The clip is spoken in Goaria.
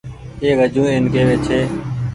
اي وجون اين ڪيوي ڇي